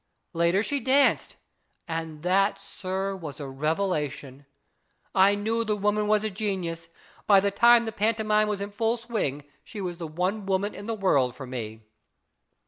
Later she danced, and that, sir, was a revelation. I knew the woman was a genius. By the time the pantomime was in full swing, she was the one woman in the world for me."